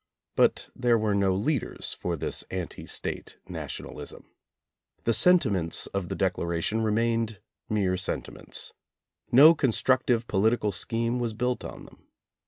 But there were no leaders for this anti State nationalism. The sentiments of the Declaration remained mere sentiments. No constructive political scheme was built on them.